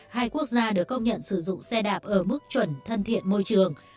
hai quốc gia được công nhận sử dụng xe đạp ở mức chuẩn thân thiện môi trường